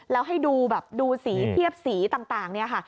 แล้วให้ดูแบบดูสีเทียบสีต่างเนี่ยค่ะ